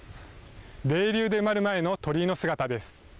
泥流で埋まる前の鳥居の姿です。